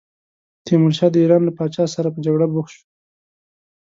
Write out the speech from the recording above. تیمورشاه د ایران له پاچا سره په جګړه بوخت شو.